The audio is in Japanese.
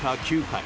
９回。